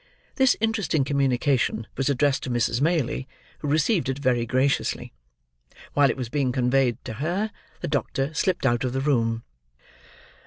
This interesting communication was addressed to Mrs. Maylie, who received it very graciously. While it was being conveyed to her, the doctor slipped out of the room.